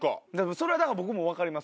それはだから僕も分かります。